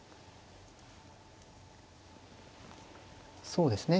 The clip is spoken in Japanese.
そうですね